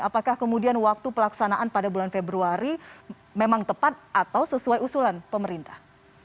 apakah kemudian waktu pelaksanaan pada bulan februari memang tepat atau sesuai usulan pemerintah